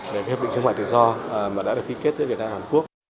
về hiệp định thương mại tự do mà đã được ký kết giữa việt nam và hàn quốc